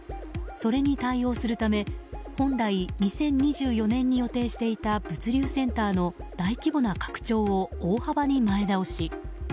それに対応するため本来２０２４年に予定していた物流センターの大規模な拡張を大幅に前倒し